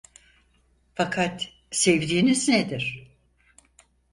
Fakat sevdiğiniz nedir?